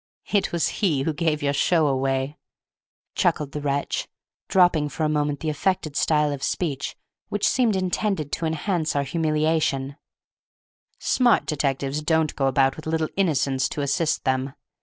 It was he who gave your show away," chuckled the wretch, dropping for a moment the affected style of speech which seemed intended to enhance our humiliation; "smart detectives don't go about with little innocents to assist them.